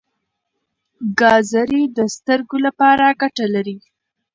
ګازرې د سترګو لپاره ګټه لري.